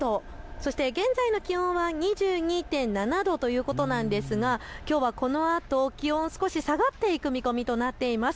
そして現在の気温は２２．７度ということなんですがきょうはこのあと気温、少し下がっていく見込みとなっています。